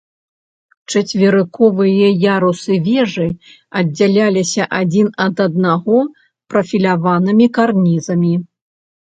Чацверыковыя ярусы вежы аддзяляліся адзін ад аднаго прафіляванымі карнізамі.